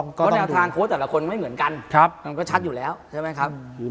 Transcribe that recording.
แนวทางโค้ดแต่ละคนไม่เหมือนกันมันก็ชัดอยู่แล้ว